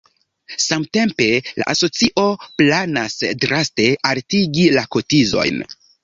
Samtempe la asocio planas draste altigi la kotizojn.